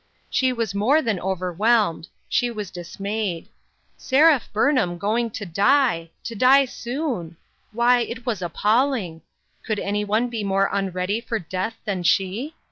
She was more than overwhelmed ; she was dis mayed. Seraph Burnham going to die ! to die soon ! Why, it was appalling ! Could any one be more unready for death than she.